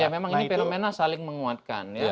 ya memang ini fenomena saling menguatkan ya